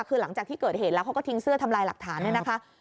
คือหลังจากที่เกิดเหตุแล้วเขาก็ทิ้งเสื้อทำลายหลักฐานเนี่ยนะคะ